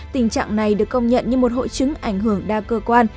tình trạng này được công nhận như một hội chứng ảnh hưởng đa cơ quan